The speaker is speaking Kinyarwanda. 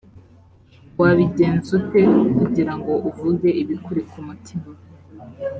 wabigenza ute kugira ngo uvuge ibikuri ku mutima.